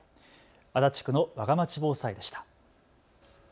足立区のわがまち防災でした。